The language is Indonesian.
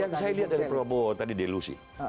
yang saya lihat dari prabowo tadi delusi